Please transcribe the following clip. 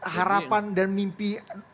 harapan dan mimpi